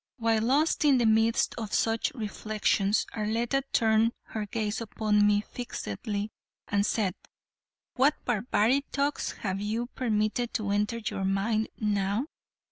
While lost in the midst of such reflections Arletta turned her gaze upon me fixedly and said: "What barbaric thoughts have you permitted to enter your mind now?"